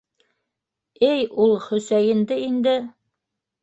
Эй, ул Хөсәйенде инде!